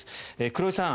黒井さん